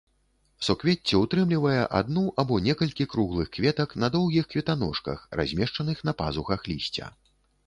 Суквецце ўтрымлівае адну або некалькі круглых кветак на доўгіх кветаножках, размешчаных на пазухах лісця.